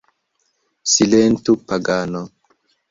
Silentu pagano!